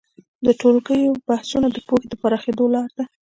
د ټولګیو بحثونه د پوهې د پراخېدو لاره ده.